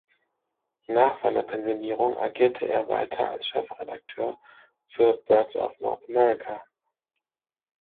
Nach seiner Pensionierung agierte er weiter als Chefredakteur für "Birds of North America".